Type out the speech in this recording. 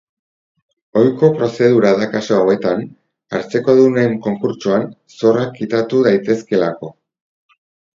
Ohiko prozedura da kasu hauetan, hartzekodunen konkurtsoan zorrak kitatu daitezkeelako.